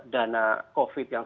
dana covid yang